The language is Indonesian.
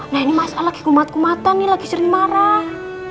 nah ini mas al lagi kumat kumatan nih lagi sering marah